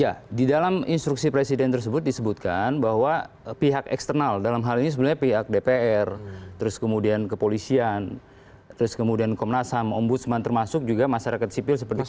ya di dalam instruksi presiden tersebut disebutkan bahwa pihak eksternal dalam hal ini sebenarnya pihak dpr terus kemudian kepolisian terus kemudian komnas ham ombudsman termasuk juga masyarakat sipil seperti itu